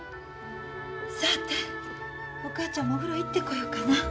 さあてお母ちゃんもお風呂行ってこようかな。